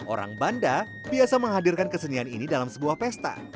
orang banda biasa menghadirkan kesenian ini dalam sebuah pesta